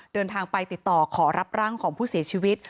เดินทางไปติดต่อขอรับร่างของผู้เสียชีวิต